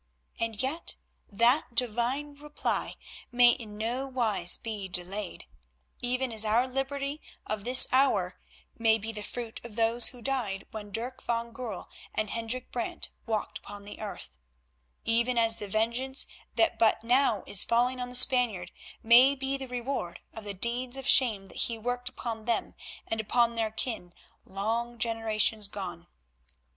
And yet that Divine reply may in no wise be delayed; even as our liberty of this hour may be the fruit of those who died when Dirk van Goorl and Hendrik Brant walked upon the earth; even as the vengeance that but now is falling on the Spaniard may be the reward of the deeds of shame that he worked upon them and upon their kin long generations gone.